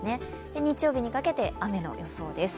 日曜日にかけて雨の予想です。